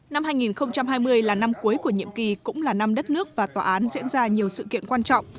năm hai nghìn hai mươi là năm cuối của nhiệm kỳ cũng là năm đất nước và tòa án diễn ra nhiều sự kiện quan trọng